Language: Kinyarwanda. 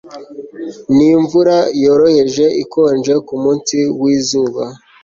Ni imvura yoroheje ikonje kumunsi wizuba